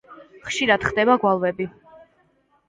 ხშირად ხდება გვალვები.